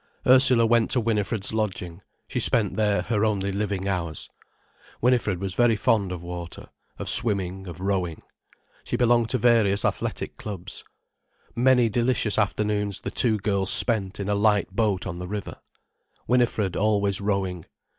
Ursula went to Winifred's lodging, she spent there her only living hours. Winifred was very fond of water,—of swimming, of rowing. She belonged to various athletic clubs. Many delicious afternoons the two girls spent in a light boat on the river, Winifred always rowing.